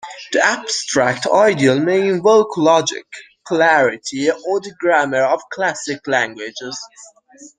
The abstract ideal may invoke logic, clarity, or the grammar of "classic" languages.